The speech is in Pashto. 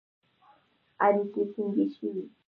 اړیکې ټینګې شوې